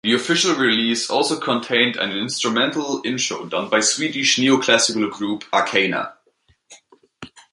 The official release also contained an instrumental intro done by Swedish neoclassical group Arcana.